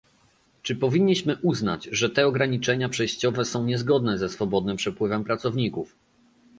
Czy powinniśmy uznać, że te ograniczenia przejściowe są niezgodne ze swobodnym przepływem pracowników?